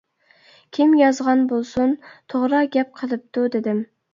كىم يازغان بولسۇن توغرا گەپ قىلىپتۇ-دېدىم.